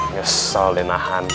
nyesel deh nahan